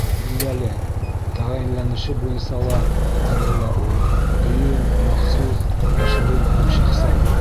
Билдәле, тәғәйенләнеше буйынса ла айырыла ул: дөйөм, махсус, йәшерен һәм шәхсән.